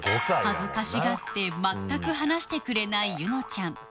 恥ずかしがって全く話してくれない柚乃ちゃん